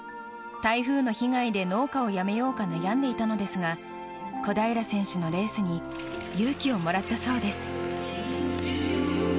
台風の被害で農家をやめようか悩んでいたのですが小平選手のレースに勇気をもらったそうです。